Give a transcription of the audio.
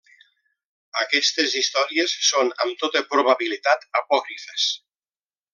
Aquestes històries són, amb tota probabilitat, apòcrifes.